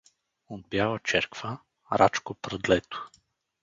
— От Бяла черква, Рачко Пръдлето!